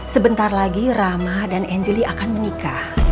sebentar lagi rama dan angelie akan menikah